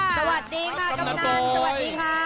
สวัสดีค่ะกำนันสวัสดีค่ะ